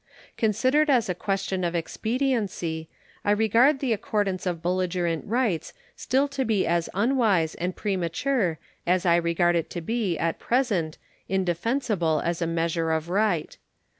Considered as a question of expediency, I regard the accordance of belligerent rights still to be as unwise and premature as I regard it to be, at present, indefensible as a measure of right.